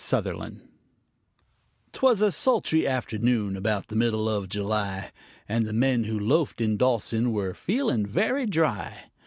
SUTHERLAND 'Twas a sultry afternoon, about the middle of July, And the men who loafed in Dawson were feeling very dry.